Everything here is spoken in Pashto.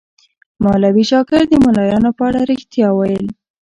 مولوي شاکر د ملایانو په اړه ریښتیا ویل.